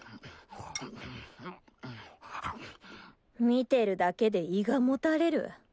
見てるだけで胃がもたれる。